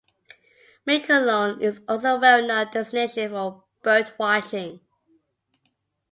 Miquelon is also a well known destination for bird watching.